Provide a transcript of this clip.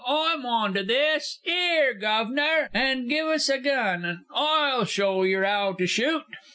I'm on to this. 'Ere Guv'nor', 'and us a gun. I'll show yer 'ow to shoot!